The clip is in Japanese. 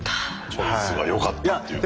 チョイスがよかったっていう。